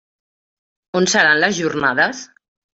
On seran les jornades?